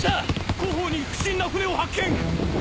後方に不審な船を発見